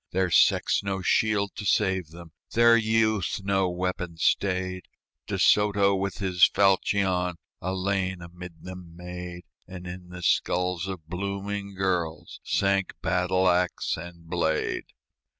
Their sex no shield to save them, Their youth no weapon stayed; De Soto with his falchion A lane amid them made, And in the skulls of blooming girls Sank battle axe and blade.